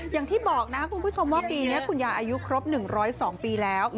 อย่างที่บอกนะคุณผู้ชมว่าปีนี้คุณยายอายุครบ๑๐๒ปีแล้ว